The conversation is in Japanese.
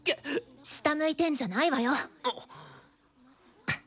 下向いてんじゃないわよ。